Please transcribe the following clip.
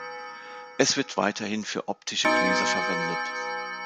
Es wird weiterhin für optische Gläser verwendet.